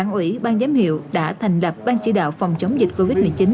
ủy ban giám hiệu đã thành lập ban chỉ đạo phòng chống dịch covid một mươi chín